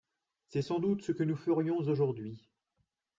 C’est sans doute ce que nous ferions aujourd’hui.